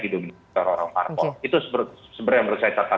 itu sebenarnya menurut saya